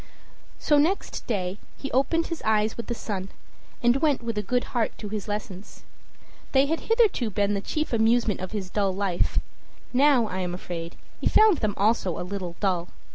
So next day he opened his eyes with the sun, and went with a good heart to his lessons. They had hitherto been the chief amusement of his dull life; now, I am afraid, he found them also a little dull.